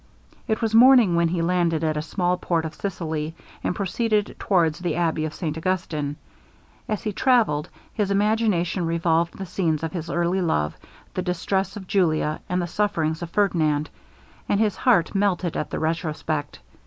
It was morning when he landed at a small port of Sicily, and proceeded towards the abbey of St Augustin. As he travelled, his imagination revolved the scenes of his early love, the distress of Julia, and the sufferings of Ferdinand, and his heart melted at the retrospect.